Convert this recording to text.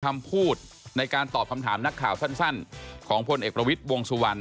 คำพูดในการตอบคำถามนักข่าวสั้นของพลเอกประวิทย์วงสุวรรณ